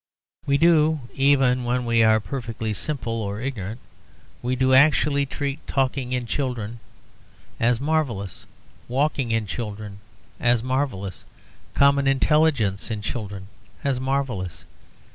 We do (even when we are perfectly simple or ignorant) we do actually treat talking in children as marvellous, walking in children as marvellous, common intelligence in children as marvellous.